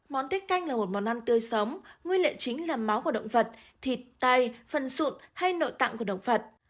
món tích canh là một món ăn tươi sống nguyên liệu chính là máu của động vật thịt tay phân sụn hay nội tạng của động vật